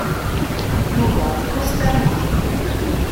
Yuba ixuṣ tarmit.